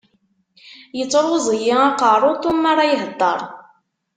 Yettruẓ-iyi aqerru Tom mara ihedder.